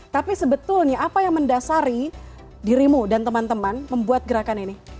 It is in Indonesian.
tapi sebetulnya apa yang mendasari dirimu dan teman teman membuat gerakan ini